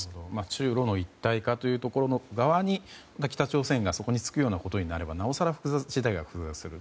中露の一体化という側に北朝鮮がそこにつくようなことになればなおさら事態が複雑化する。